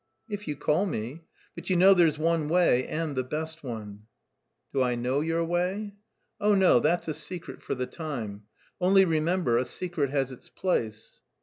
"If you call me. But you know there's one way, and the best one." "Do I know your way?" "Oh no, that's a secret for the time. Only remember, a secret has its price."